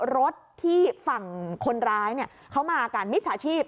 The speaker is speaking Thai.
รถที่ฝั่งคนร้ายเขามากันมิจฉาชีพ